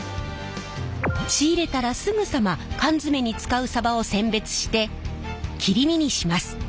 仕入れたらすぐさま缶詰に使うさばを選別して切り身にします。